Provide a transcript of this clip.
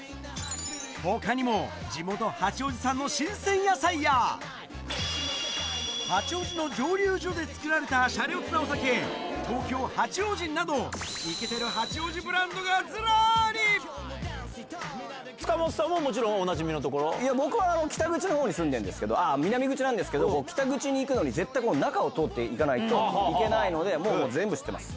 ほかにも地元、八王子産の新鮮野菜や、八王子の蒸留所で造られたしゃれおつなお酒、とうきょうハチオウジンなど、塚本さんももちろん、おなじ僕は北口のほうに住んでるんですけど、南口のほうなんですけど、北口に行くのに絶対、この中を通っていかないといけないので、もう全部知ってます。